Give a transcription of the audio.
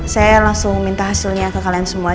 saya langsung minta hasilnya ke kalian semua